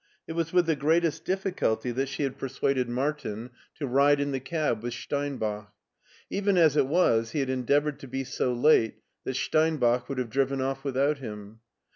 It was with the greatest difficulty that she had persuaded Martin to ride in the cab with Steinbach. Even as it was he had endeavored to be so late that Steinbach would have driven off without him.